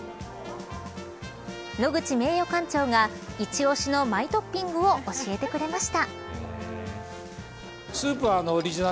野口名誉館長が一押しのマイトッピングを教えてくれました。